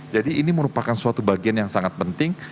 jadi ini merupakan suatu bagian yang sangat penting